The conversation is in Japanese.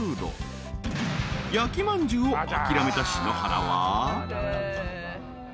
［焼きまんじゅうを諦めた篠原は］